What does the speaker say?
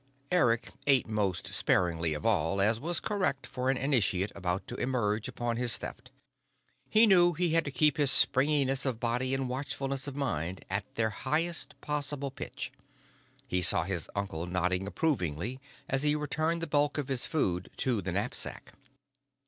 Eric ate most sparingly of all as was correct for an initiate about to emerge upon his Theft. He knew he had to keep his springiness of body and watchfulness of mind at their highest possible pitch. He saw his uncle nodding approvingly as he returned the bulk of his food to the knapsack.